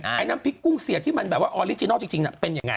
ไอ้น้ำพริกกุ้งเสียที่มันแบบว่าออริจินัลจริงเป็นยังไง